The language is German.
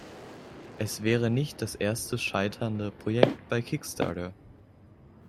Es wäre nicht das erste scheiternde Projekt bei Kickstarter.